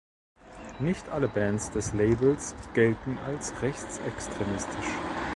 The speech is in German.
Nicht alle Bands des Labels gelten als rechtsextremistisch.